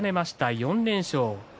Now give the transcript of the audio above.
４連勝。